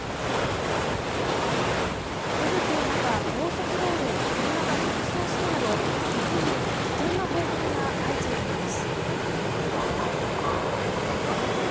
吹雪の中高速道路を車が逆走するなど雪による危険な報告が相次いでいます。